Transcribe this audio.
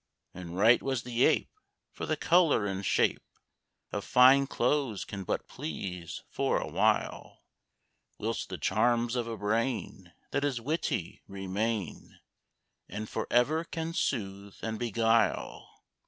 And right was the Ape: For the colour and shape Of fine clothes can but please for awhile, Whilst the charms of a brain That is witty, remain, And for ever can soothe and beguile.